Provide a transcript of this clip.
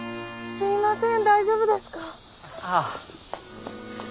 すいません。